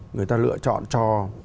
người ta lựa chọn cho